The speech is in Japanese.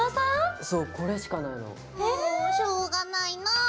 もうしょうがないなぁ。